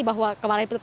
bahwa kembali ke kada